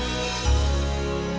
itu nggak betul